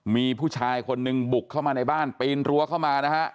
มีผู้ชายคนหนึ่งบุกเข้ามาในบ้านปีนรั้วเข้ามานะฮะ